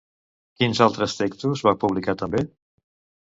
Quins altres textos va publicar també?